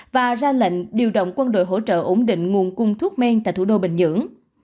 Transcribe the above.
và ra lệnh điều động quân đội hỗ trợ ổn định nguồn cung thuốc men tại thủ đô bình nhưỡng